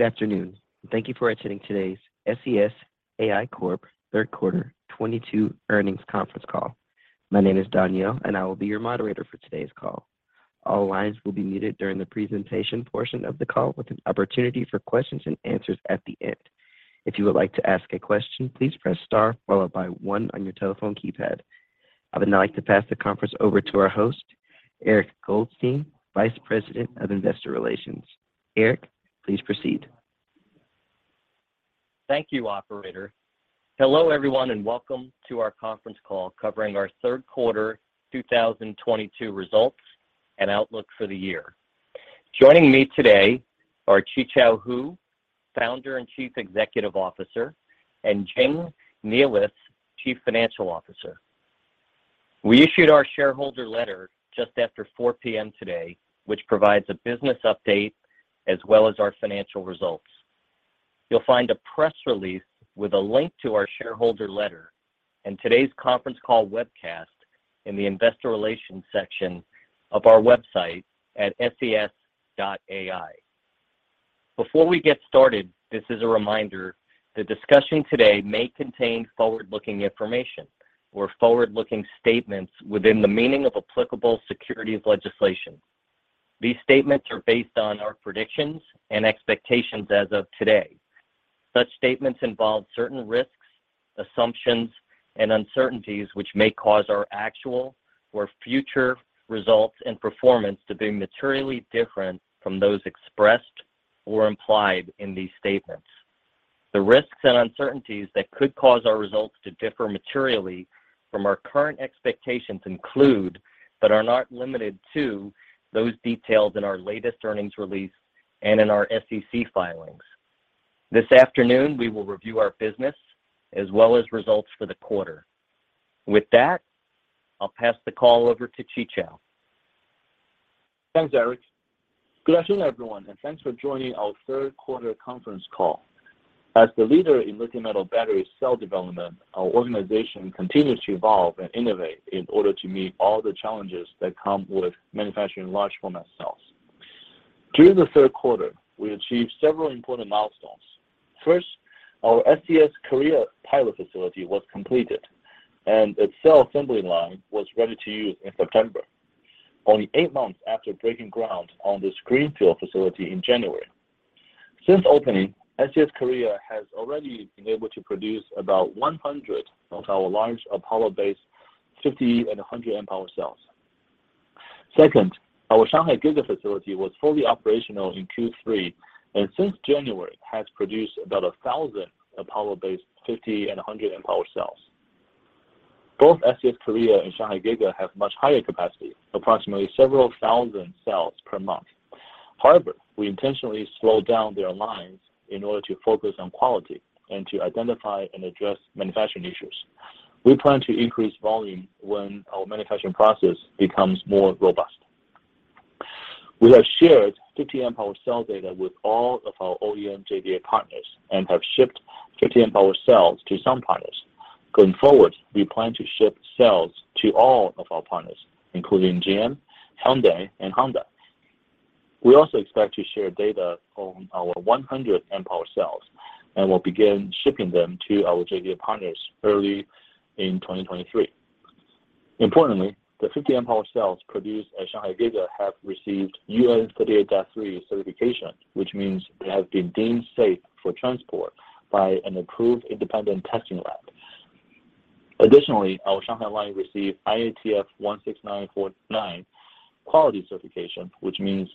Good afternoon, and thank you for attending today's SES AI Corp third quarter 2022 earnings conference call. My name is Danielle, and I will be your moderator for today's call. All lines will be muted during the presentation portion of the call with an opportunity for questions and answers at the end. If you would like to ask a question, please press star followed by one on your telephone keypad. I would now like to pass the conference over to our host, Eric Goldstein, Vice President of Investor Relations. Eric, please proceed. Thank you, operator. Hello, everyone, and welcome to our conference call covering our third quarter 2022 results and outlook for the year. Joining me today are Qichao Hu, Founder and Chief Executive Officer, and Jing Nealis, Chief Financial Officer. We issued our shareholder letter just after 4 P.M. today, which provides a business update as well as our financial results. You'll find a press release with a link to our shareholder letter and today's conference call webcast in the investor relations section of our website at ses.ai. Before we get started, this is a reminder: the discussion today may contain forward-looking information or forward-looking statements within the meaning of applicable securities legislation. These statements are based on our predictions and expectations as of today. Such statements involve certain risks, assumptions, and uncertainties which may cause our actual or future results and performance to be materially different from those expressed or implied in these statements. The risks and uncertainties that could cause our results to differ materially from our current expectations include, but are not limited to, those detailed in our latest earnings release and in our SEC filings. This afternoon, we will review our business as well as results for the quarter. With that, I'll pass the call over to Qichao. Thanks, Eric. Good afternoon, everyone, and thanks for joining our third quarter conference call. As the leader in lithium metal battery cell development, our organization continues to evolve and innovate in order to meet all the challenges that come with manufacturing large format cells. During the third quarter, we achieved several important milestones. First, our SES Korea pilot facility was completed, and its cell assembly line was ready to use in September, only 8 months after breaking ground on this greenfield facility in January. Since opening, SES Korea has already been able to produce about 100 of our large Apollo-based 50 and 100 amp hour cells. Second, our Shanghai Giga facility was fully operational in Q3, and since January, has produced about 1,000 Apollo-based 50 and 100 amp hour cells. Both SES Korea and Shanghai Giga have much higher capacity, approximately several thousand cells per month. However, we intentionally slowed down their lines in order to focus on quality and to identify and address manufacturing issues. We plan to increase volume when our manufacturing process becomes more robust. We have shared 50 amp hour cell data with all of our OEM JDA partners and have shipped 50 amp hour cells to some partners. Going forward, we plan to ship cells to all of our partners, including GM, Hyundai, and Honda. We also expect to share data from our 100 amp hour cells, and we'll begin shipping them to our JDA partners early in 2023. Importantly, the 50 amp hour cells produced at Shanghai Giga have received UN 38.3 certification, which means they have been deemed safe for transport by an approved independent testing lab. Additionally, our Shanghai line received IATF 16949 quality certification, which means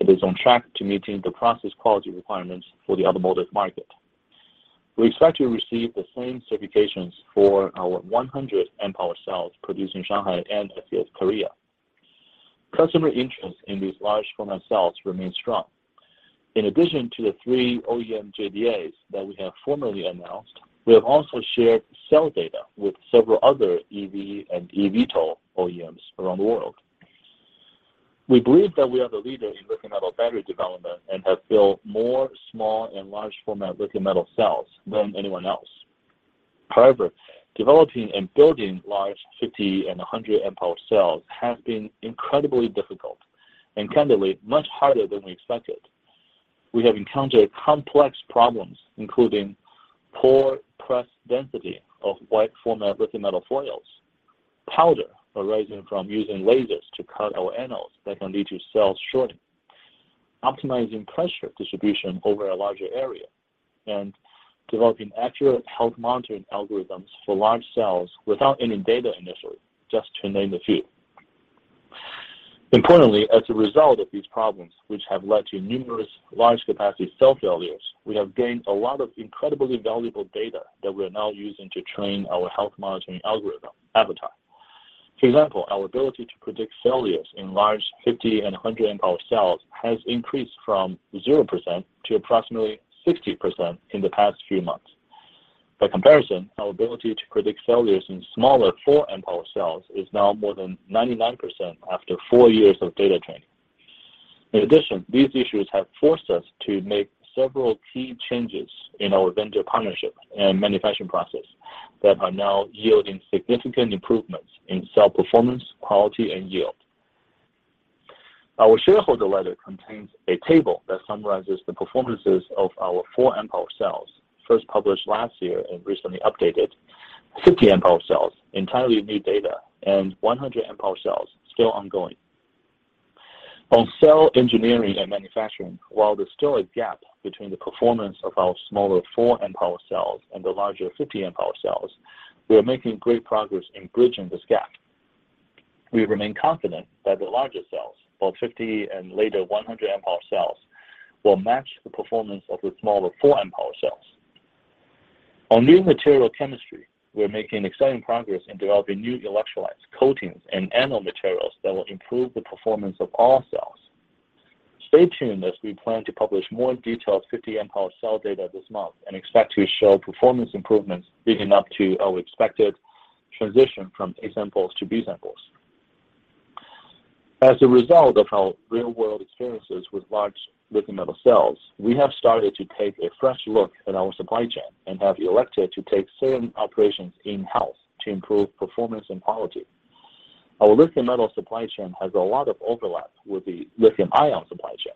it is on track to meeting the process quality requirements for the automotive market. We expect to receive the same certifications for our 100 amp hour cells produced in Shanghai and SES Korea. Customer interest in these large format cells remains strong. In addition to the three OEM JDAs that we have formally announced, we have also shared cell data with several other EV and EVTOL OEMs around the world. We believe that we are the leader in lithium metal battery development and have built more small and large format lithium metal cells than anyone else. However, developing and building large 50 and 100 amp hour cells has been incredibly difficult, and candidly, much harder than we expected. We have encountered complex problems, including poor press density of wide format lithium metal foils, powder arising from using lasers to cut our anodes that can lead to cell shorting, optimizing pressure distribution over a larger area, and developing accurate health monitoring algorithms for large cells without any data initially, just to name a few. Importantly, as a result of these problems, which have led to numerous large capacity cell failures, we have gained a lot of incredibly valuable data that we are now using to train our health monitoring algorithm, Avatar. For example, our ability to predict failures in large 50 and 100 amp hour cells has increased from 0% to approximately 60% in the past few months. By comparison, our ability to predict failures in smaller 4 amp hour cells is now more than 99% after 4 years of data training. In addition, these issues have forced us to make several key changes in our vendor partnership and manufacturing process that are now yielding significant improvements in cell performance, quality, and yield. Our shareholder letter contains a table that summarizes the performances of our 4 amp hour cells, first published last year and recently updated, 50 amp hour cells, entirely new data, and 100 amp hour cells still ongoing. On cell engineering and manufacturing, while there's still a gap between the performance of our smaller 4 amp hour cells and the larger 50 amp hour cells, we are making great progress in bridging this gap. We remain confident that the larger cells, both 50 and later 100 amp hour cells, will match the performance of the smaller 4 amp hour cells. On new material chemistry, we are making exciting progress in developing new electrolytes, coatings, and anode materials that will improve the performance of all cells. Stay tuned as we plan to publish more detailed 50-amp-hour cell data this month, and expect to show performance improvements leading up to our expected transition from A-samples to B-samples. As a result of our real-world experiences with large lithium metal cells, we have started to take a fresh look at our supply chain and have elected to take certain operations in-house to improve performance and quality. Our lithium metal supply chain has a lot of overlap with the lithium ion supply chain.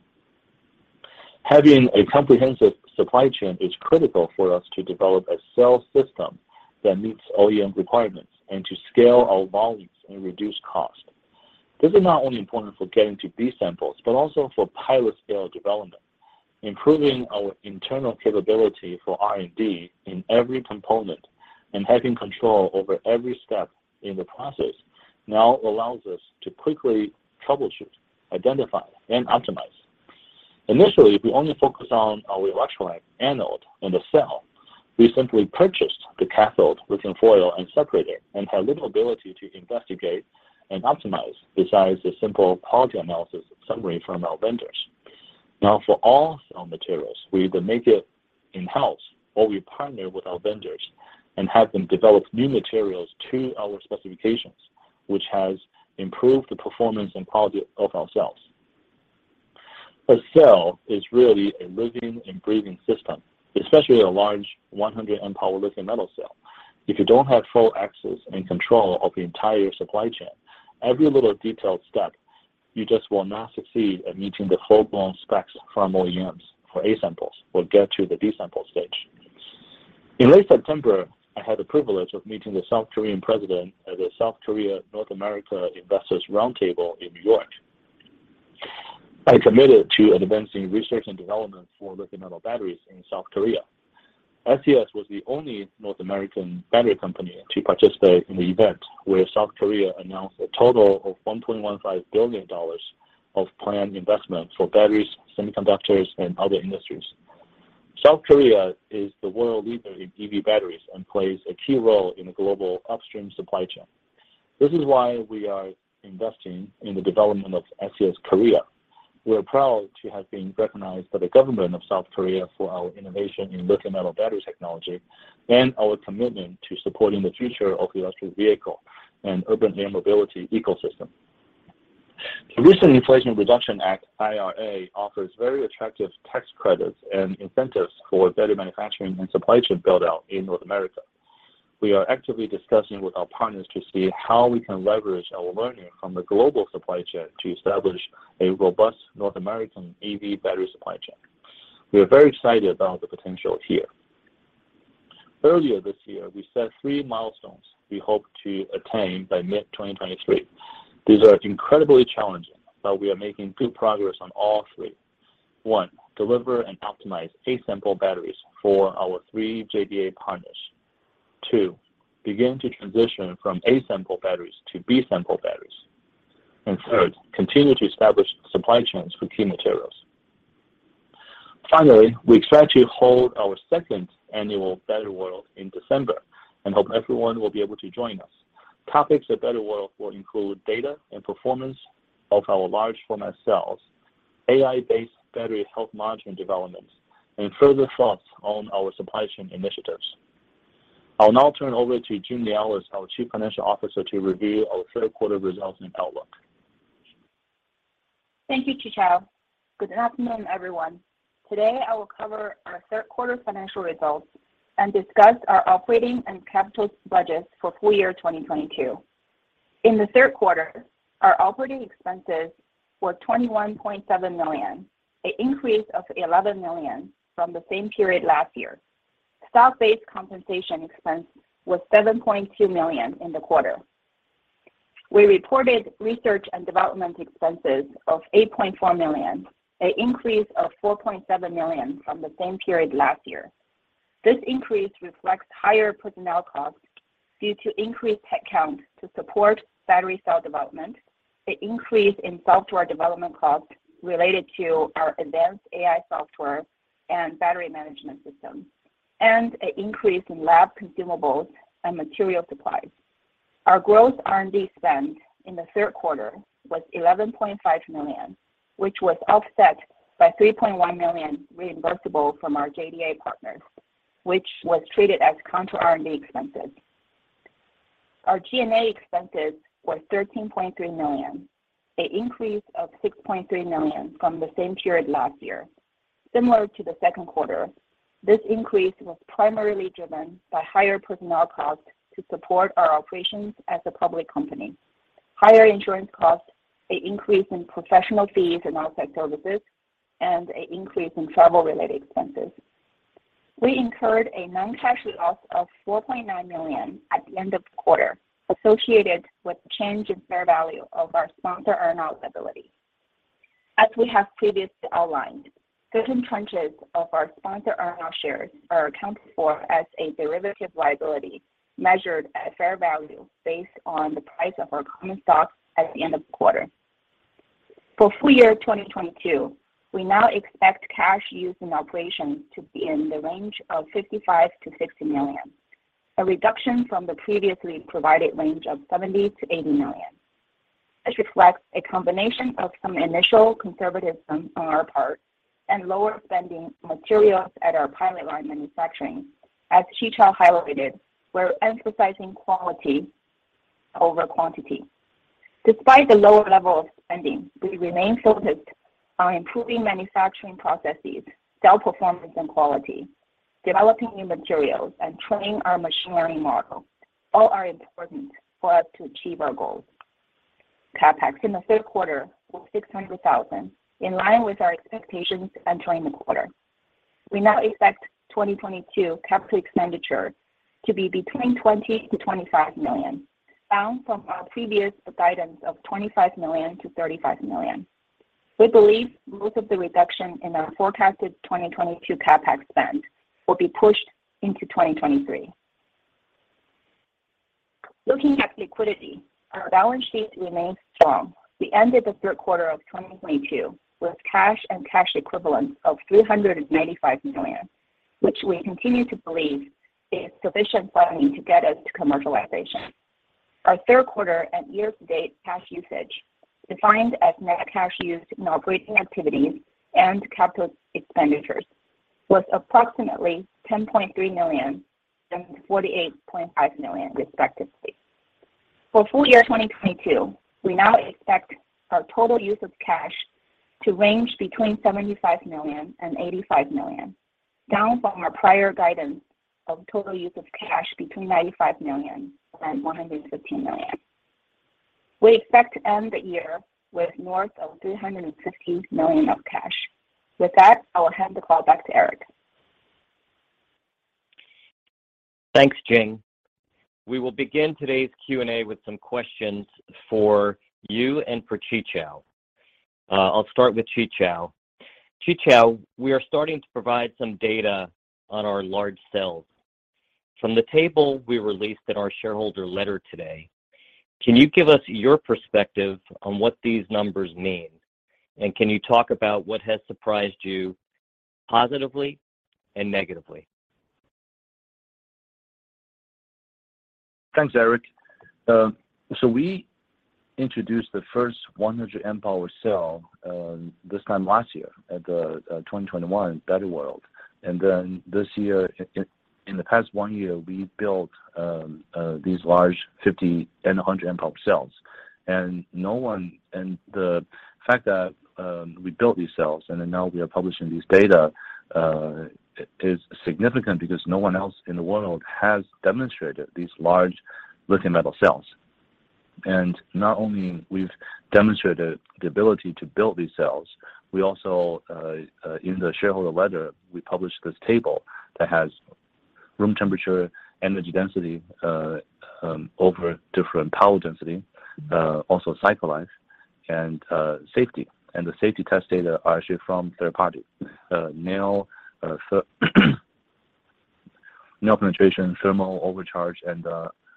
Having a comprehensive supply chain is critical for us to develop a cell system that meets OEM requirements and to scale our volumes and reduce cost. This is not only important for getting to B-samples, but also for pilot scale development. Improving our internal capability for R&D in every component and having control over every step in the process now allows us to quickly troubleshoot, identify, and optimize. Initially, we only focus on our electrolyte anode in the cell. We simply purchased the cathode, lithium foil, and separator, and had little ability to investigate and optimize besides a simple quality analysis summary from our vendors. Now, for all cell materials, we either make it in-house or we partner with our vendors and have them develop new materials to our specifications, which has improved the performance and quality of our cells. A cell is really a living and breathing system, especially a large 100 amp hour lithium metal cell. If you don't have full access and control of the entire supply chain, every little detailed step, you just will not succeed at meeting the full-blown specs from OEMs for A-samples or get to the B-sample stage. In late September, I had the privilege of meeting the South Korean president at the South Korea-North America Investors Roundtable in New York. I committed to advancing research and development for lithium metal batteries in South Korea. SES was the only North American battery company to participate in the event, where South Korea announced a total of $1.15 billion of planned investment for batteries, semiconductors, and other industries. South Korea is the world leader in EV batteries and plays a key role in the global upstream supply chain. This is why we are investing in the development of SES Korea. We are proud to have been recognized by the government of South Korea for our innovation in lithium metal battery technology and our commitment to supporting the future of the electric vehicle and urban air mobility ecosystem. The recent Inflation Reduction Act, IRA, offers very attractive tax credits and incentives for battery manufacturing and supply chain build-out in North America. We are actively discussing with our partners to see how we can leverage our learning from the global supply chain to establish a robust North American EV battery supply chain. We are very excited about the potential here. Earlier this year, we set three milestones we hope to attain by mid-2023. These are incredibly challenging, but we are making good progress on all three. One, deliver and optimize A-sample batteries for our three JDA partners. Two, begin to transition from A-sample batteries to B-sample batteries. Third, continue to establish supply chains for key materials. Finally, we expect to hold our second annual Battery World in December and hope everyone will be able to join us. Topics at Battery World will include data and performance of our large format cells, AI-based battery health monitoring developments, and further thoughts on our supply chain initiatives. I'll now turn over to Jing Nealis, our Chief Financial Officer, to review our third quarter results and outlook. Thank you, Qichao. Good afternoon, everyone. Today, I will cover our third quarter financial results and discuss our operating and capital budgets for full year 2022. In the third quarter, our operating expenses were $21.7 million, an increase of $11 million from the same period last year. Stock-based compensation expense was $7.2 million in the quarter. We reported research and development expenses of $8.4 million, an increase of $4.7 million from the same period last year. This increase reflects higher personnel costs due to increased head count to support battery cell development, an increase in software development costs related to our advanced AI software and battery management system, and an increase in lab consumables and material supplies. Our gross R&D spend in the third quarter was $11.5 million, which was offset by $3.1 million reimbursable from our JDA partners, which was treated as counter R&D expenses. Our G&A expenses were $13.3 million, an increase of $6.3 million from the same period last year. Similar to the second quarter, this increase was primarily driven by higher personnel costs to support our operations as a public company, higher insurance costs, an increase in professional fees and outside services, and an increase in travel-related expenses. We incurred a non-cash loss of $4.9 million at the end of the quarter associated with the change in fair value of our sponsor earnout liability. As we have previously outlined, certain tranches of our sponsor earnout shares are accounted for as a derivative liability measured at fair value based on the price of our common stock at the end of the quarter. For full year 2022, we now expect cash used in operations to be in the range of $55 million-$60 million, a reduction from the previously provided range of $70 million-$80 million. This reflects a combination of some initial conservatism on our part and lower spending on materials at our pilot line manufacturing. As Qichao highlighted, we're emphasizing quality over quantity. Despite the lower level of spending, we remain focused on improving manufacturing processes, cell performance, and quality, developing new materials, and training our machine learning model. All are important for us to achieve our goals. CapEx in the third quarter was $600,000, in line with our expectations entering the quarter. We now expect 2022 capital expenditure to be between $20-$25 million, down from our previous guidance of $25-$35 million. We believe most of the reduction in our forecasted 2022 CapEx spend will be pushed into 2023. Looking at liquidity, our balance sheet remains strong. We ended the third quarter of 2022 with cash and cash equivalents of $395 million, which we continue to believe is sufficient funding to get us to commercialization. Our third quarter and year-to-date cash usage, defined as net cash used in operating activities and capital expenditures, was approximately $10.3 million and $48.5 million, respectively. For full year 2022, we now expect our total use of cash to range between $75 million and $85 million, down from our prior guidance of total use of cash between $95 million and $115 million. We expect to end the year with north of $350 million of cash. With that, I will hand the call back to Eric. Thanks, Jing. We will begin today's Q&A with some questions for you and for Qichao. I'll start with Qichao. Qichao, we are starting to provide some data on our large cells. From the table we released in our shareholder letter today, can you give us your perspective on what these numbers mean? Can you talk about what has surprised you positively and negatively? Thanks, Eric. So we introduced the first 100 amp hour cell this time last year at the 2021 Battery World. Then this year, in the past one year, we built these large 50 and 100 amp hour cells. The fact that we built these cells and then now we are publishing these data is significant because no one else in the world has demonstrated these large lithium metal cells. Not only we've demonstrated the ability to build these cells, we also in the shareholder letter, we published this table that has room temperature, energy density over different power density, also cycle life and safety. The safety test data are actually from third-party nail penetration, thermal overcharge, and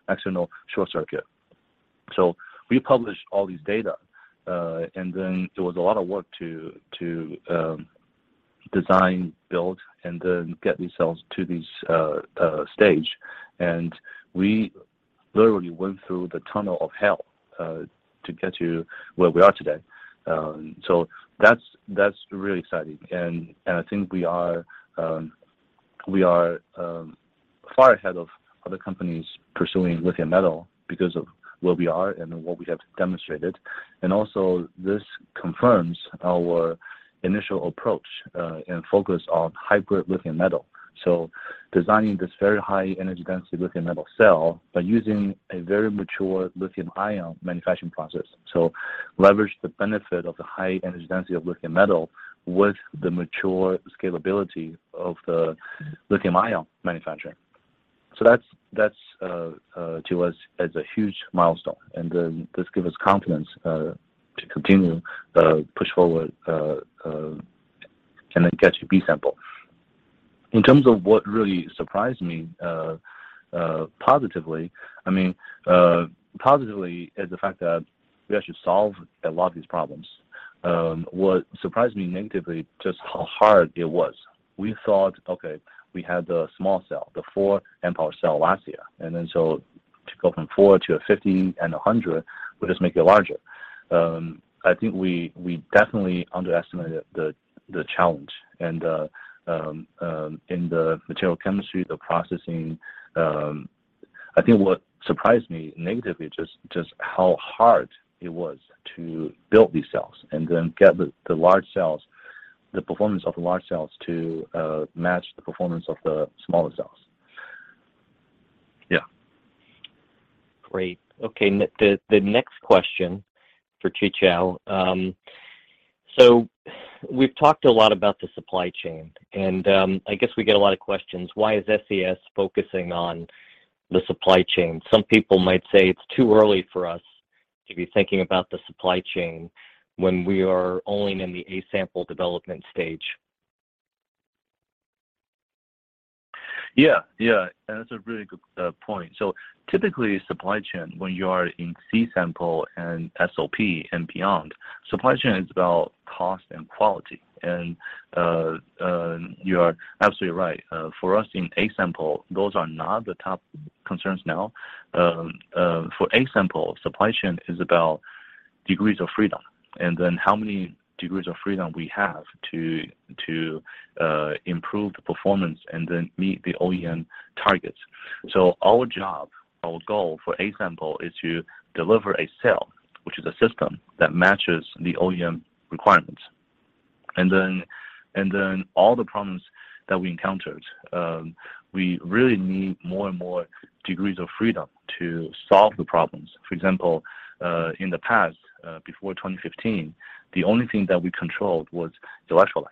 external short circuit. We published all these data, and then there was a lot of work to design, build, and then get these cells to this stage. We literally went through the tunnel of hell to get to where we are today. That's really exciting. I think we are far ahead of other companies pursuing lithium metal because of where we are and what we have demonstrated. Also this confirms our initial approach and focus on hybrid lithium metal. Designing this very high energy density lithium metal cell by using a very mature lithium-ion manufacturing process. Leverage the benefit of the high energy density of lithium metal with the mature scalability of the lithium-ion manufacturing. That's to us a huge milestone, and then this give us confidence to continue push forward and get to B-sample. In terms of what really surprised me positively, I mean, positively is the fact that we actually solved a lot of these problems. What surprised me negatively, just how hard it was. We thought, okay, we had the small cell, the 4 amp hour cell last year, and then so to go from 4 to a 50 and a 100, we just make it larger. I think we definitely underestimated the challenge and in the material chemistry, the processing. I think what surprised me negatively just how hard it was to build these cells and then get the large cells, the performance of the large cells to match the performance of the smaller cells. Great. Okay. The next question for Qichao. We've talked a lot about the supply chain, and I guess we get a lot of questions. Why is SES focusing on the supply chain? Some people might say it's too early for us to be thinking about the supply chain when we are only in the A-sample development stage. That's a really good point. Typically, supply chain, when you are in C-sample and SOP and beyond, supply chain is about cost and quality. You are absolutely right. For us in A-sample, those are not the top concerns now. For A-sample, supply chain is about degrees of freedom, and then how many degrees of freedom we have to improve the performance and then meet the OEM targets. Our job, our goal for A-sample is to deliver a cell, which is a system that matches the OEM requirements. All the problems that we encountered, we really need more and more degrees of freedom to solve the problems. For example, in the past, before 2015, the only thing that we controlled was the electrolyte.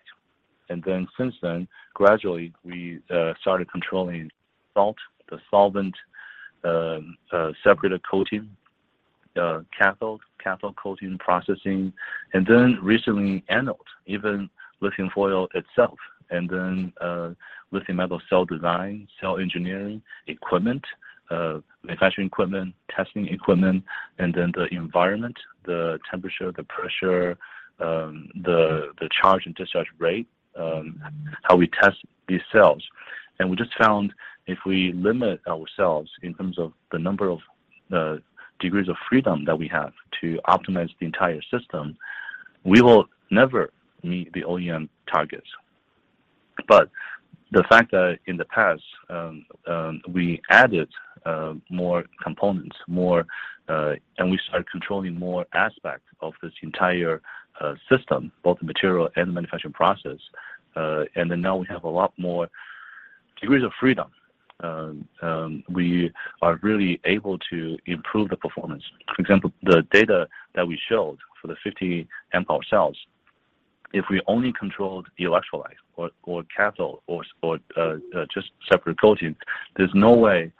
Since then, gradually we started controlling salt, the solvent, separator coating, cathode coating processing, and then recently anode, even lithium foil itself. Lithium metal cell design, cell engineering, equipment, manufacturing equipment, testing equipment, and then the environment, the temperature, the pressure, the charge and discharge rate, how we test these cells. We just found if we limit ourselves in terms of the number of degrees of freedom that we have to optimize the entire system, we will never meet the OEM targets. The fact that in the past we added more components and we started controlling more aspects of this entire system, both the material and the manufacturing process, and then now we have a lot more degrees of freedom. We are really able to improve the performance. For example, the data that we showed for the 50 amp hour cells, if we only controlled the electrolyte or cathode or just separator coating, there's no way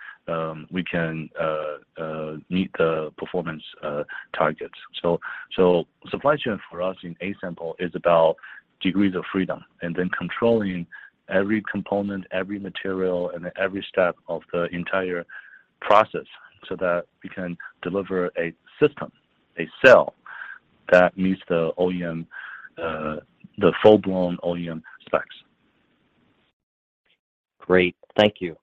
we can meet the performance targets. Supply chain for us in A-sample is about degrees of freedom, and then controlling every component, every material, and every step of the entire process so that we can deliver a system, a cell that meets the OEM, the full-blown OEM specs. Great. Thank you.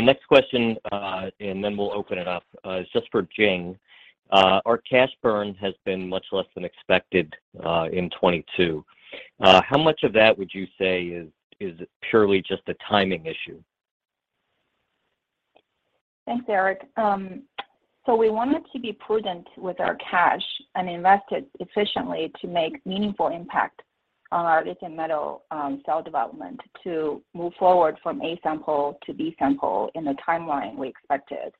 Next question, and then we'll open it up, is just for Jing. Our cash burn has been much less than expected in 2022. How much of that would you say is purely just a timing issue? Thanks, Eric. We wanted to be prudent with our cash and invest it efficiently to make meaningful impact on our lithium metal cell development to move forward from A-sample to B-sample in the timeline we expected.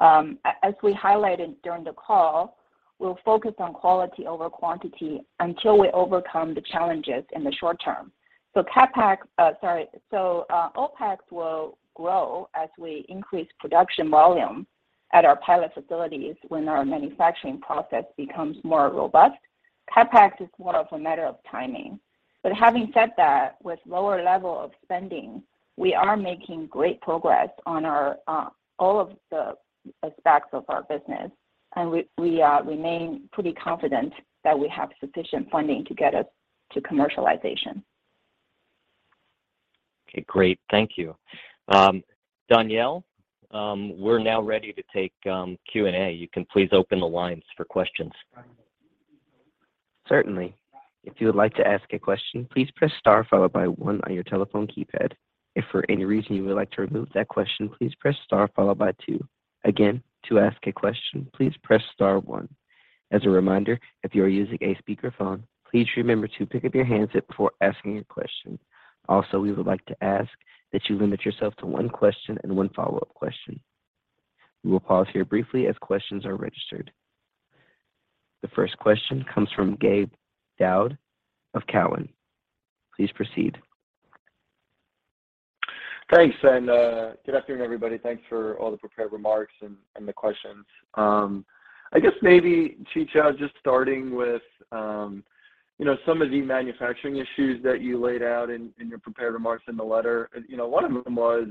As we highlighted during the call, we'll focus on quality over quantity until we overcome the challenges in the short term. CapEx. OpEx will grow as we increase production volume at our pilot facilities when our manufacturing process becomes more robust. CapEx is more of a matter of timing. Having said that, with lower level of spending, we are making great progress on our all of the aspects of our business, and we remain pretty confident that we have sufficient funding to get us to commercialization. Okay, great. Thank you. Danielle, we're now ready to take Q&A. You can please open the lines for questions. Certainly. If you would like to ask a question, please press star followed by one on your telephone keypad. If for any reason you would like to remove that question, please press star followed by two. Again, to ask a question, please press star one. As a reminder, if you are using a speakerphone, please remember to pick up your handset before asking a question. Also, we would like to ask that you limit yourself to one question and one follow-up question. We will pause here briefly as questions are registered. The first question comes from Gabe Daoud of Cowen. Please proceed. Thanks, and good afternoon, everybody. Thanks for all the prepared remarks and the questions. I guess maybe, Qichao, just starting with, you know, some of the manufacturing issues that you laid out in your prepared remarks in the letter. You know, one of them was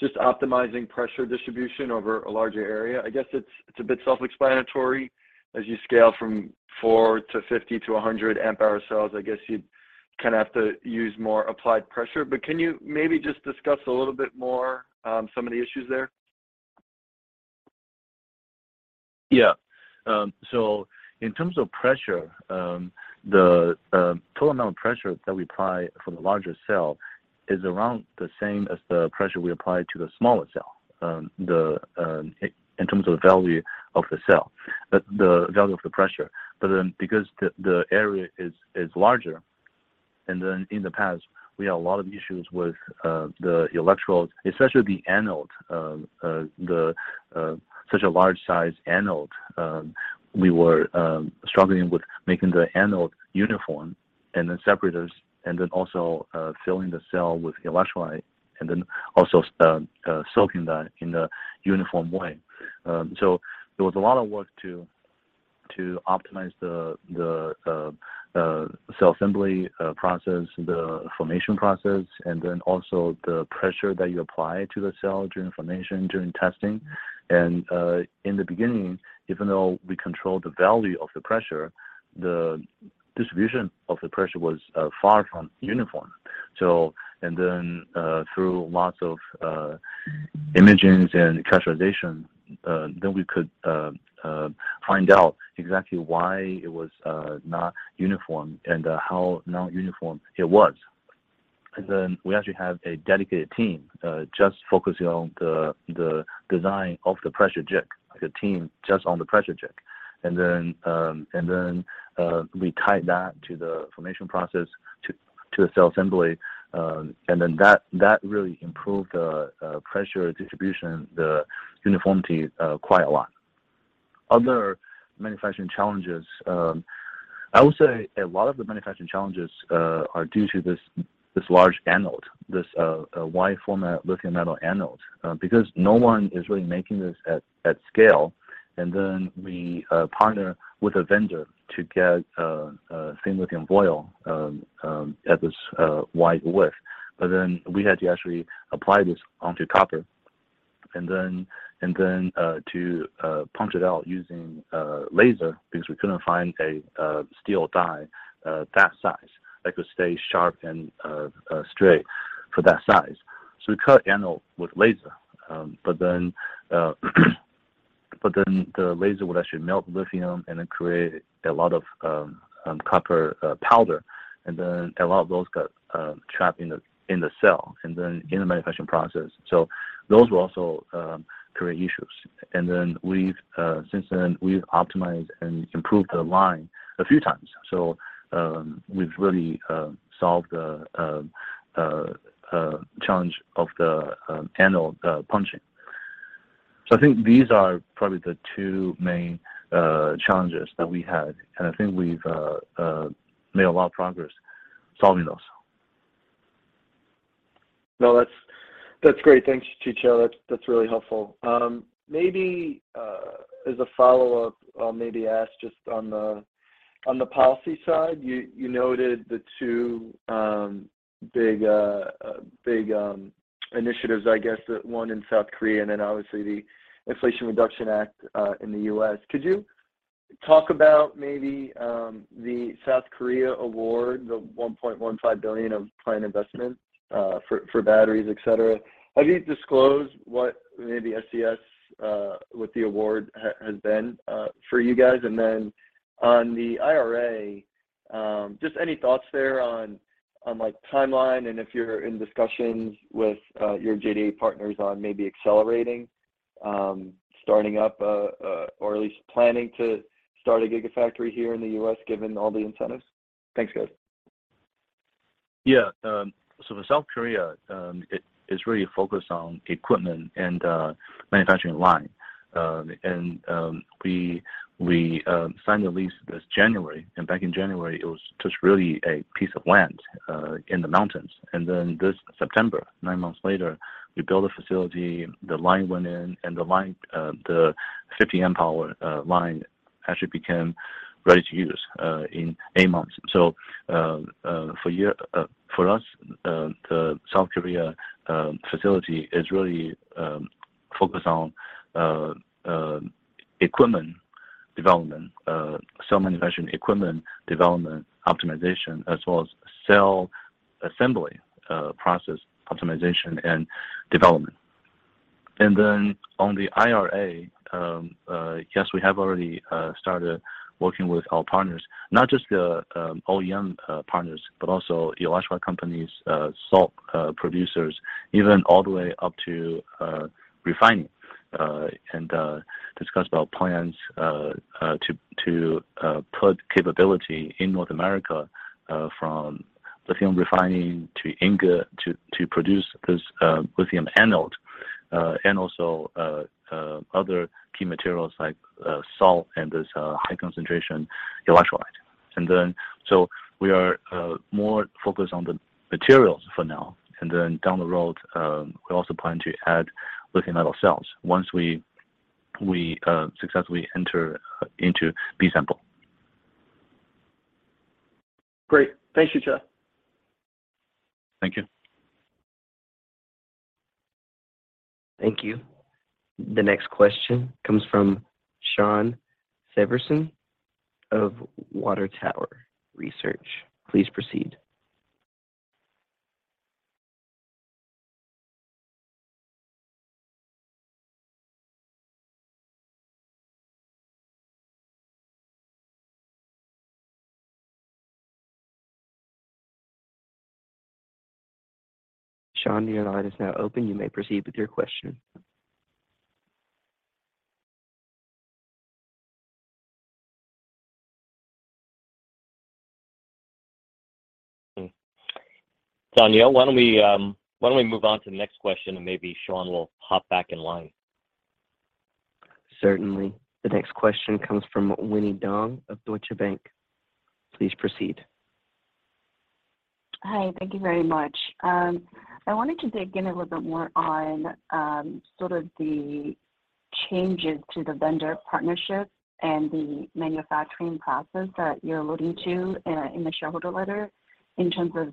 just optimizing pressure distribution over a larger area. I guess it's a bit self-explanatory as you scale from 4 to 50 to 100 amp hour cells. I guess you kinda have to use more applied pressure. But can you maybe just discuss a little bit more, some of the issues there? Yeah. In terms of pressure, the total amount of pressure that we apply for the larger cell is around the same as the pressure we apply to the smaller cell, in terms of value of the cell, but the value of the pressure. Because the area is larger, in the past, we had a lot of issues with the electrodes, especially the anode. Such a large size anode, we were struggling with making the anode uniform and then separators, and then also filling the cell with electrolyte, and then also soaking that in a uniform way. There was a lot of work to optimize the cell assembly process, the formation process, and then also the pressure that you apply to the cell during formation, during testing. In the beginning, even though we controlled the value of the pressure, the distribution of the pressure was far from uniform. Through lots of imagings and characterization, then we could find out exactly why it was not uniform and how not uniform it was. We actually have a dedicated team just focusing on the design of the pressure jig, like a team just on the pressure jig. We tied that to the formation process to a cell assembly. That really improved the pressure distribution, the uniformity quite a lot. Other manufacturing challenges, I would say a lot of the manufacturing challenges are due to this large anode, this wide format lithium metal anode because no one is really making this at scale. We partner with a vendor to get thin lithium foil at this wide width. Then we had to actually apply this onto copper and then to punch it out using a laser because we couldn't find a steel die that size that could stay sharp and straight for that size. We cut the anode with laser. The laser would actually melt lithium and then create a lot of copper powder, and then a lot of those got trapped in the cell, and then in the manufacturing process. Those will also create issues. We've since then optimized and improved the line a few times. We've really solved the challenge of the anode punching. I think these are probably the two main challenges that we had, and I think we've made a lot of progress solving those. No, that's great. Thanks, Qichao. That's really helpful. Maybe as a follow-up, I'll maybe ask just on the policy side. You noted the two big initiatives, I guess the one in South Korea and then obviously the Inflation Reduction Act in the US. Could you talk about maybe the South Korea award, the $1.15 billion of planned investment for batteries, et cetera? Have you disclosed what maybe SES with the award has been for you guys? On the IRA, just any thoughts there on like timeline and if you're in discussions with your JDA partners on maybe accelerating starting up or at least planning to start a gigafactory here in the US, given all the incentives? Thanks, guys. Yeah. For South Korea, it is really focused on equipment and manufacturing line. We signed the lease this January, and back in January, it was just really a piece of land in the mountains. Then this September, nine months later, we built a facility, the line went in, and the line, the 50 amp power line actually became ready to use in eight months. For us, the South Korea facility is really focused on equipment development, cell manufacturing equipment development optimization, as well as cell assembly process optimization and development. On the IRA, yes, we have already started working with our partners, not just the OEM partners, but also electrolyte companies, salt producers, even all the way up to refining, and discuss about plans to put capability in North America, from lithium refining to ingot to produce this lithium anode, and also other key materials like salt and this high concentration electrolyte. We are more focused on the materials for now. Down the road, we also plan to add lithium metal cells once we successfully enter into B-sample. Great. Thank you, Qichao. Thank you. Thank you. The next question comes from Shawn Severson of Water Tower Research. Please proceed. Sean, your line is now open. You may proceed with your question. Danielle, why don't we move on to the next question, and maybe Sean will hop back in line. Certainly. The next question comes from Winnie Dong of Deutsche Bank. Please proceed. Hi, thank you very much. I wanted to dig in a little bit more on sort of the changes to the vendor partnership and the manufacturing process that you're alluding to in the shareholder letter in terms of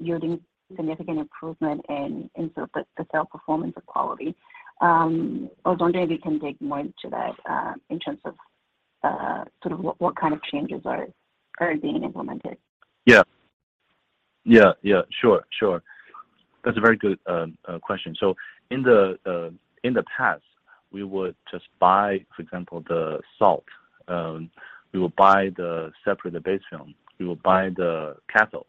yielding significant improvement in sort of the cell performance and quality. I was wondering if you can dig more into that in terms of sort of what kind of changes are being implemented. That's a very good question. In the past, we would just buy, for example, the salt. We will buy the separator base film. We will buy the cathode.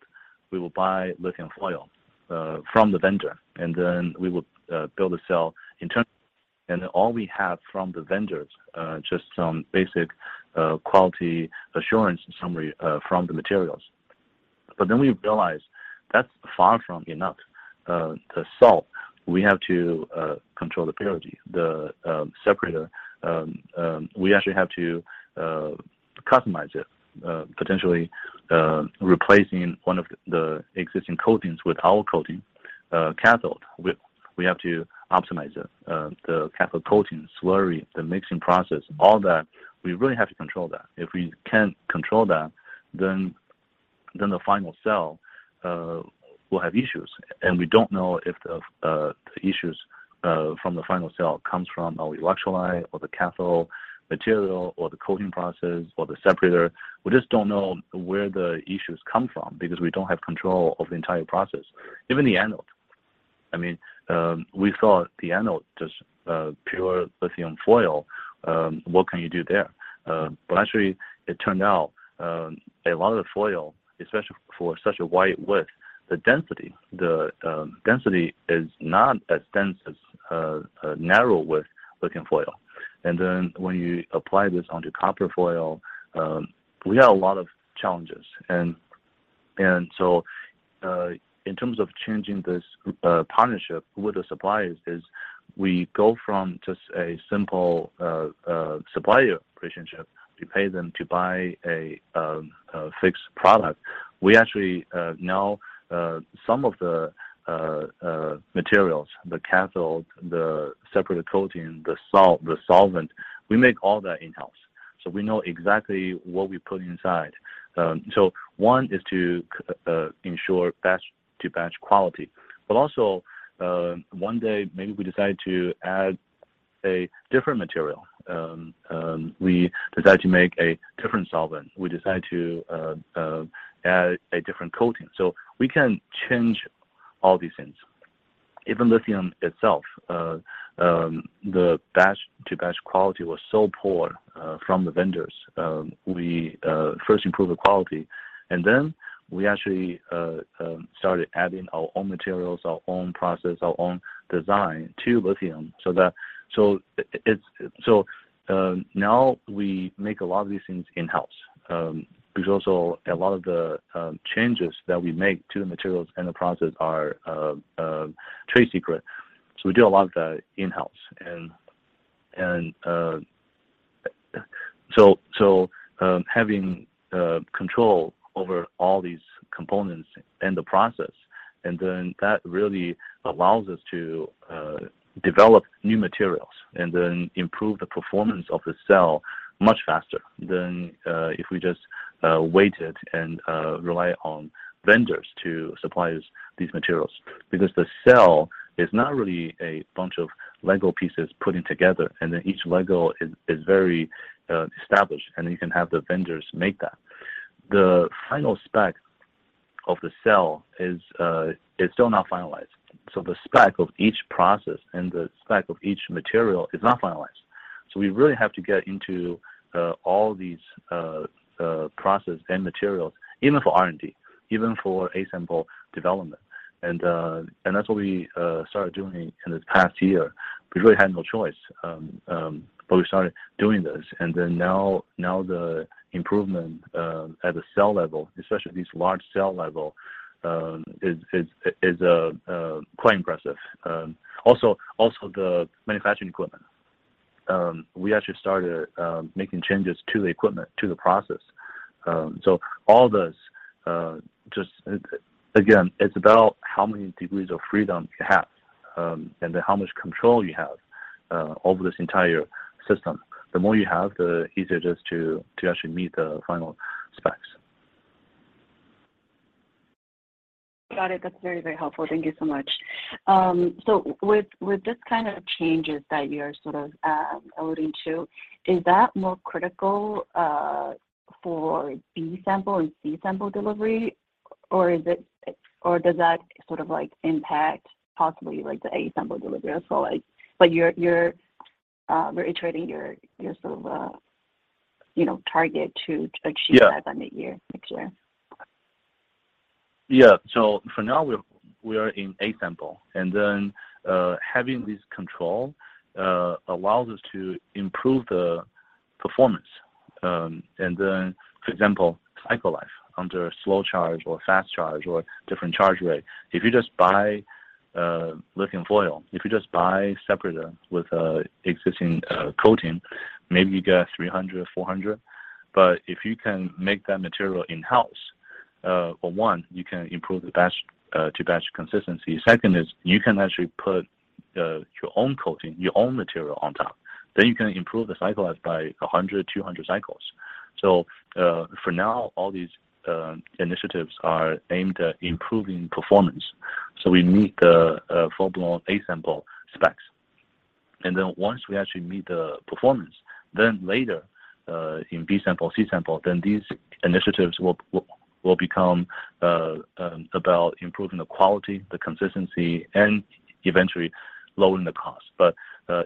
We will buy lithium foil from the vendor, and then we will build a cell internally. All we have from the vendors just some basic quality assurance summary from the materials. Then we realized that's far from enough. The salt, we have to control the purity. The separator, we actually have to customize it, potentially replacing one of the existing coatings with our coating. Cathode, we have to optimize it. The cathode coating, slurry, the mixing process, all that, we really have to control that. If we can't control that, then the final cell will have issues. We don't know if the issues from the final cell comes from our electrolyte or the cathode material or the coating process or the separator. We just don't know where the issues come from because we don't have control of the entire process. Even the anode. I mean, we thought the anode, just pure lithium foil, what can you do there? Actually it turned out, a lot of the foil, especially for such a wide width, the density is not as dense as a narrow width lithium foil. When you apply this onto copper foil, we had a lot of challenges. In terms of changing this partnership with the suppliers as we go from just a simple supplier relationship. We pay them to buy a fixed product. We actually now some of the materials, the cathode, the separator coating, the salt, the solvent, we make all that in-house, so we know exactly what we put inside. One is to ensure batch to batch quality. Also, one day maybe we decide to add a different material. We decide to make a different solvent. We decide to add a different coating. We can change all these things. Even lithium itself, the batch to batch quality was so poor from the vendors. We first improved the quality, and then we actually started adding our own materials, our own process, our own design to lithium so that now we make a lot of these things in-house. Because also a lot of the changes that we make to the materials and the process are trade secret, so we do a lot of that in-house. Having control over all these components and the process, and then that really allows us to develop new materials and then improve the performance of the cell much faster than if we just waited and rely on vendors to supply us these materials. Because the cell is not really a bunch of LEGO pieces putting together, and then each LEGO is very established, and you can have the vendors make that. The final spec of the cell is still not finalized. The spec of each process and the spec of each material is not finalized. We really have to get into all these process and materials even for R&D, even for a sample development. That's what we started doing in this past year. We really had no choice. We started doing this, and then now the improvement at the cell level, especially this large cell level is quite impressive. Also the manufacturing equipment. We actually started making changes to the equipment, to the process. All this, just again, it's about how many degrees of freedom you have, and how much control you have, over this entire system. The more you have, the easier it is to actually meet the final specs. Got it. That's very, very helpful. Thank you so much. With this kind of changes that you're sort of alluding to, is that more critical? For B sample and C sample delivery, or is it, or does that sort of, like, impact possibly, like, the A sample delivery as well? Like, but you're reiterating your sort of, you know, target to achieve- Yeah. that by mid-year next year. For now, we are in A-sample, and then having this control allows us to improve the performance. For example, cycle life under a slow charge or fast charge or different charge rate. If you just buy a lithium foil, separator with an existing coating, maybe you get 300, 400. But if you can make that material in-house, for one, you can improve the batch to batch consistency. Second is you can actually put your own coating, your own material on top. Then you can improve the cycle life by 100, 200 cycles. For now, all these initiatives are aimed at improving performance. We meet the full-blown A-sample specs. Once we actually meet the performance, then later in B sample, C sample, then these initiatives will become about improving the quality, the consistency, and eventually lowering the cost.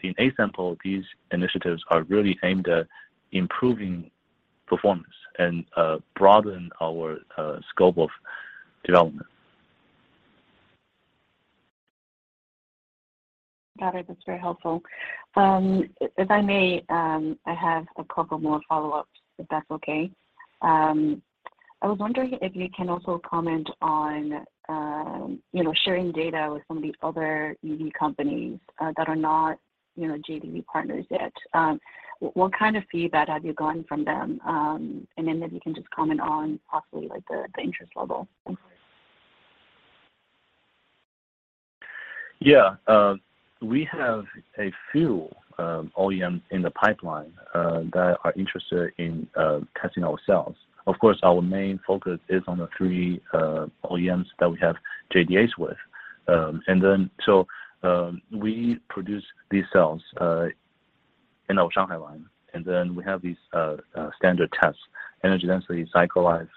In A sample, these initiatives are really aimed at improving performance and broaden our scope of development. Got it. That's very helpful. If I may, I have a couple more follow-ups, if that's okay. I was wondering if you can also comment on, you know, sharing data with some of the other EV companies, that are not, you know, JDA partners yet. What kind of feedback have you gotten from them? If you can just comment on possibly, like, the interest level. Thanks. Yeah. We have a few OEMs in the pipeline that are interested in testing our cells. Of course, our main focus is on the three OEMs that we have JDAs with. We produce these cells in our Shanghai line, and then we have these standard tests, energy density, cycle life,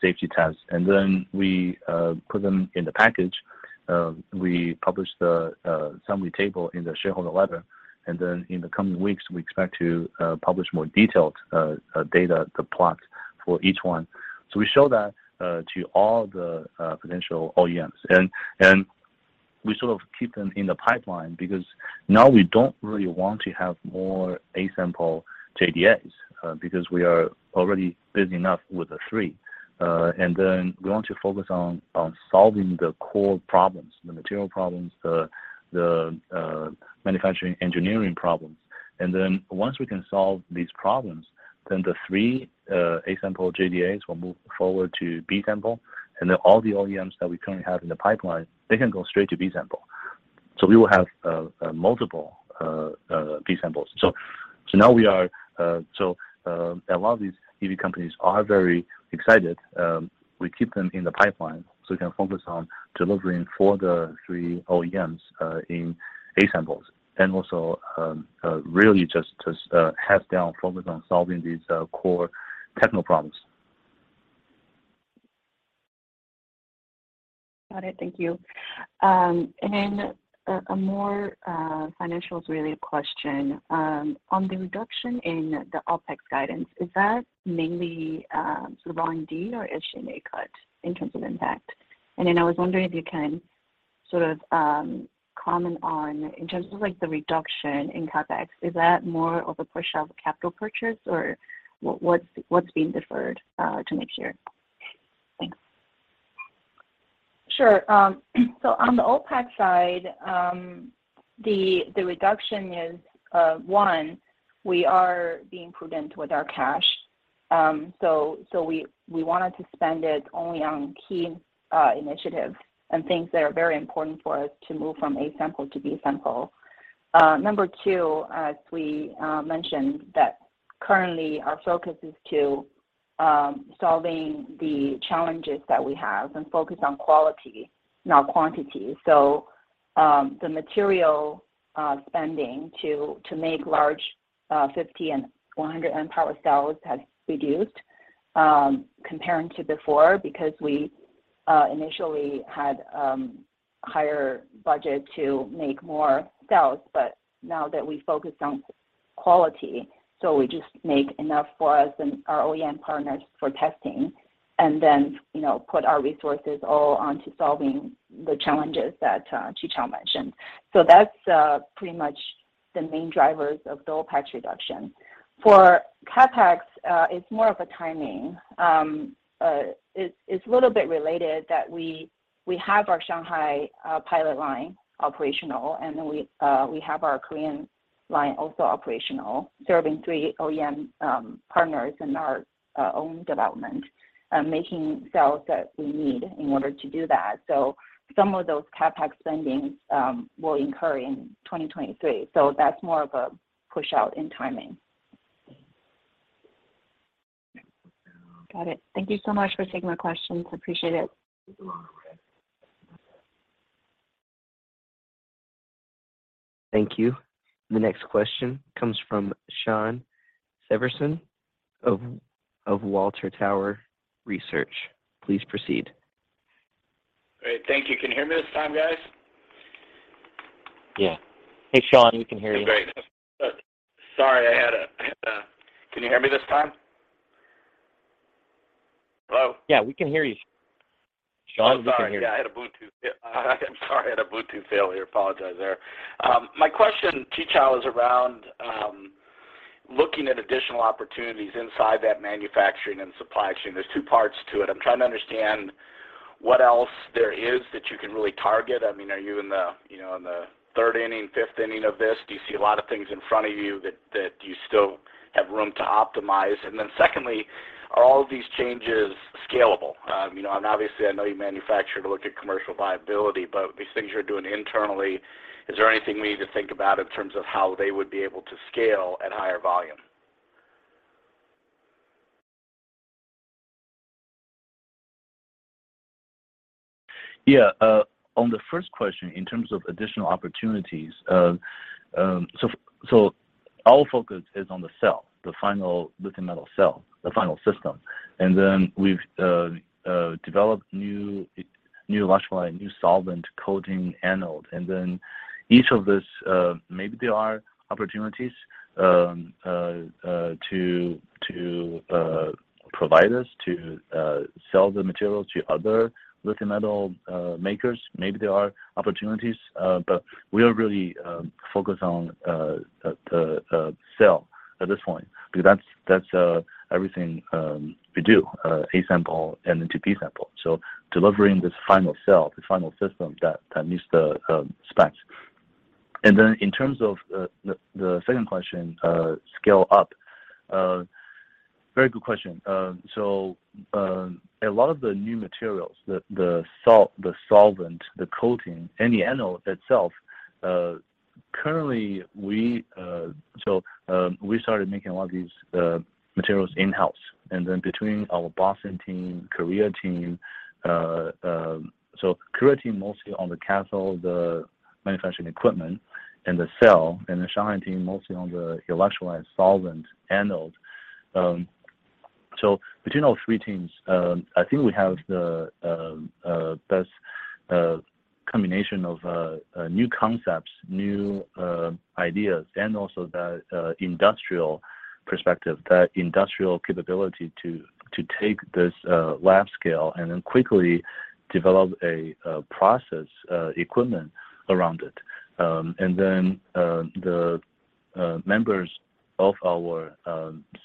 safety tests, and then we put them in the package. We publish the summary table in the shareholder letter, and then in the coming weeks, we expect to publish more detailed data, the plots for each one. We show that to all the potential OEMs. We sort of keep them in the pipeline because now we don't really want to have more A-sample JDAs because we are already busy enough with the three. We want to focus on solving the core problems, the material problems, the manufacturing engineering problems. Once we can solve these problems, then the 3 A-sample JDAs will move forward to B-sample. All the OEMs that we currently have in the pipeline, they can go straight to B-sample. We will have multiple B-samples. Now a lot of these EV companies are very excited. We keep them in the pipeline, so we can focus on delivering for the 3 OEMs in A-samples. Really just hands down focus on solving these core technical problems. Got it. Thank you. A more financial question. On the reduction in the OpEx guidance, is that mainly sort of R&D or SG&A cut in terms of impact? I was wondering if you can sort of comment on in terms of like the reduction in CapEx, is that more of a pushout of capital purchases or what's being deferred to next year? Thanks. Sure. On the OpEx side, the reduction is we're being prudent with our cash. We wanted to spend it only on key initiatives and things that are very important for us to move from A-sample to B-sample. Number two, as we mentioned that currently our focus is to solving the challenges that we have and focus on quality, not quantity. The material spending to make large 50 and 100 amp hour cells has reduced comparing to before because we initially had higher budget to make more cells. Now that we focus on quality, we just make enough for us and our OEM partners for testing and then, you know, put our resources all onto solving the challenges that Qichao mentioned. That's pretty much the main drivers of the OpEx reduction. For CapEx, it's more of a timing. It's a little bit related that we have our Shanghai pilot line operational, and then we have our Korean line also operational, serving 3 OEM partners in our own development, making cells that we need in order to do that. Some of those CapEx spending will incur in 2023. That's more of a push out in timing. Got it. Thank you so much for taking my questions. Appreciate it. Thank you. The next question comes from Shawn Severson of Water Tower Research. Please proceed. Great. Thank you. Can you hear me this time, guys? Yeah. Hey, Shawn, we can hear you. Great. Sorry, I had a. Can you hear me this time? Hello? Yeah, we can hear you, Shawn. We can hear you. I'm sorry. Yeah, I had a Bluetooth failure. Apologize there. My question, Qichao, is around looking at additional opportunities inside that manufacturing and supply chain. There's two parts to it. I'm trying to understand what else there is that you can really target. I mean, are you in the, you know, in the third inning, fifth inning of this? Do you see a lot of things in front of you that you still have room to optimize? Secondly, are all of these changes scalable? You know, and obviously, I know you manufacture to look at commercial viability, but these things you're doing internally, is there anything we need to think about in terms of how they would be able to scale at higher volume? Yeah. On the first question, in terms of additional opportunities, our focus is on the cell, the final lithium metal cell, the final system. We've developed new electrolyte, new solvent coating anode. Each of these, maybe there are opportunities to sell the materials to other lithium metal makers. Maybe there are opportunities, but we are really focused on the cell at this point because that's everything we do, A-sample and then to B-sample. Delivering this final cell, the final system that meets the specs. In terms of the second question, scale up, very good question. A lot of the new materials, the salt, the solvent, the coating, and the anode itself. We started making a lot of these materials in-house, and then between our Boston team, Korea team mostly on the cathode, the manufacturing equipment, and the cell, and the Shanghai team mostly on the electrolyte, solvent, anode. Between all three teams, I think we have the best combination of new concepts, new ideas, and also the industrial perspective, that industrial capability to take this lab scale and then quickly develop a process, equipment around it. The members of our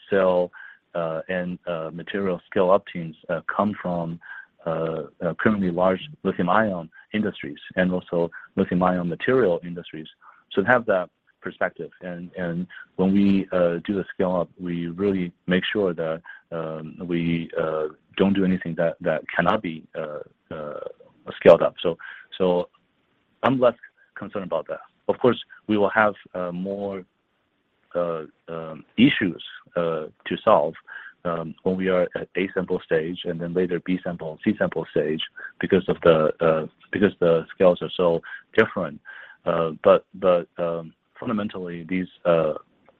cell and material scale-up teams come from currently large lithium-ion industries and also lithium-ion material industries, so have that perspective. When we do the scale up, we really make sure that we don't do anything that cannot be scaled up. I'm less concerned about that. Of course, we will have more issues to solve when we are at A-sample stage and then later B-sample, C-sample stage because the scales are so different. Fundamentally, these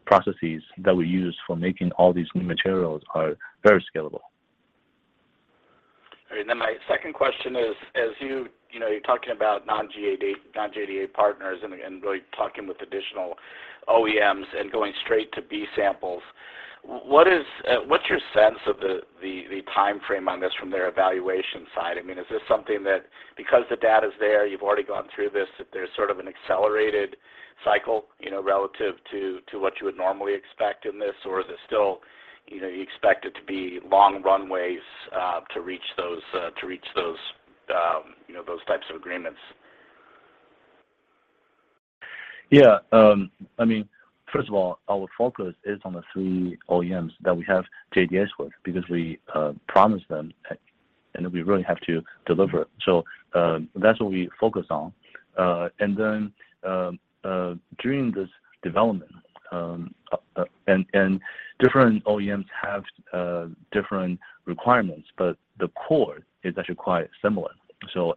processes that we use for making all these new materials are very scalable. My second question is, as you're talking about non-JDA partners and really talking with additional OEMs and going straight to B samples, what is what's your sense of the timeframe on this from their evaluation side? I mean, is this something that because the data's there, you've already gone through this, that there's sort of an accelerated cycle relative to what you would normally expect in this? Or is it still you expect it to be long runways to reach those those types of agreements? Yeah. I mean, first of all, our focus is on the three OEMs that we have JDAs with because we promised them, and we really have to deliver. That's what we focus on. Then, during this development, different OEMs have different requirements, but the core is actually quite similar.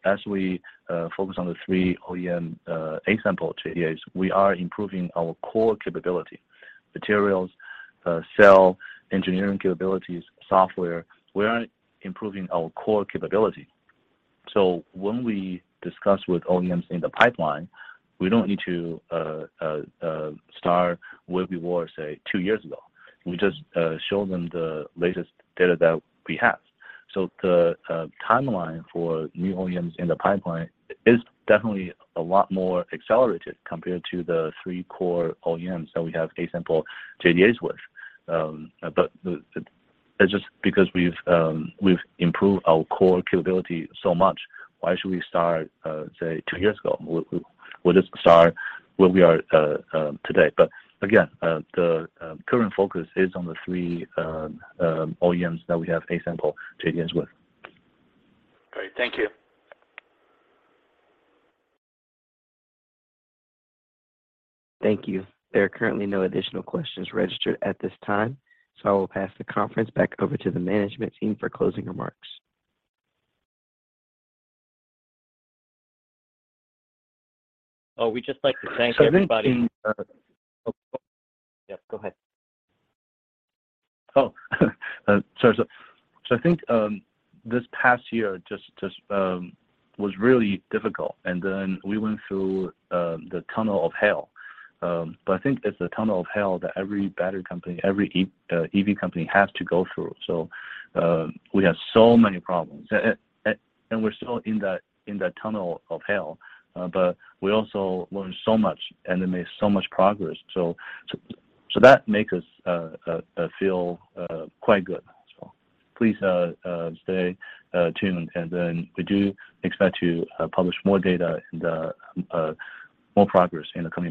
As we focus on the three OEM A-sample JDAs, we are improving our core capability, materials, cell engineering capabilities, software. We are improving our core capability. When we discuss with OEMs in the pipeline, we don't need to start where we were, say, two years ago. We just show them the latest data that we have. The timeline for new OEMs in the pipeline is definitely a lot more accelerated compared to the three core OEMs that we have A-sample JDAs with. It's just because we've improved our core capability so much, why should we start, say, two years ago? We'll just start where we are, today. Again, the current focus is on the three OEMs that we have A-sample JDAs with. Great. Thank you. Thank you. There are currently no additional questions registered at this time, so I will pass the conference back over to the management team for closing remarks. Oh, we'd just like to thank everybody. I think. Oh. Yeah, go ahead. I think this past year just was really difficult, and then we went through the tunnel of hell. I think it's a tunnel of hell that every battery company, every EV company has to go through. We had so many problems. We're still in that tunnel of hell, but we also learned so much and have made so much progress. That make us feel quite good as well. Please stay tuned, and then we do expect to publish more data in the more progress in the coming.